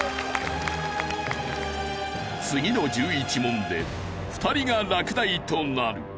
次の１１問で２人が落第となる。